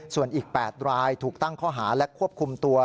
ส่วนอีก๘รายถูกตั้งข้อหาและควบคุมตัว